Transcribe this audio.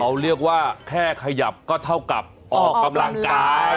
เขาเรียกว่าแค่ขยับก็เท่ากับออกกำลังกาย